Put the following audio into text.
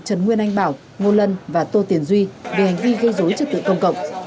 trần nguyên anh bảo ngô lân và tô tiền duy về hành vi gây dối chất tượng công cộng